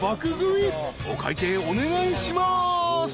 ［お会計お願いします］